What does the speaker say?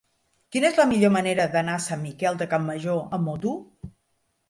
Quina és la millor manera d'anar a Sant Miquel de Campmajor amb moto?